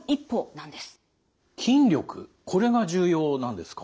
これが重要なんですか？